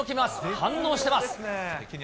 反応してます。